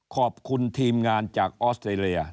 ขอบคุณทีมงานจากออสเตรเลีย